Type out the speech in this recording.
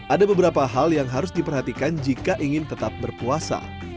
ada beberapa hal yang harus diperhatikan jika ingin tetap berpuasa